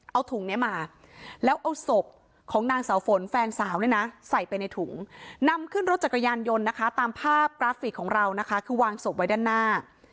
เอาถุงนี้มาแล้วเอาศพของนางเสาฝนแฟนสาวเนี่ยนะใส่ไปในถุงนำขึ้นรถจักรยานยนต์นะคะตามภาพกราฟิกของเรานะคะคือวางศพไว้ด้านหน้า